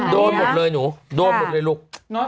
โดบหมดเลยโดบหมดเลยลูก